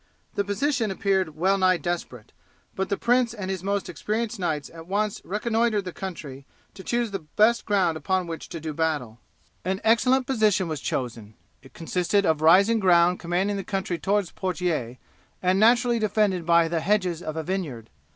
The position appeared well nigh desperate, but the prince and his most experienced knights at once reconnoitered the country to choose the best ground upon which to do battle. An excellent position was chosen. It consisted of rising ground commanding the country towards Poitiers, and naturally defended by the hedges of a vineyard.